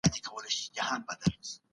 پارلمان به تل د ولس د غوښتنو استازيتوب کوي.